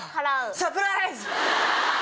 サプライズ！